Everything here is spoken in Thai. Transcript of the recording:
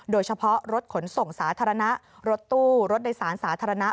โดยเฉพาะรถขนส่งสาธารณะรถตู้รถโดยสารสาธารณะ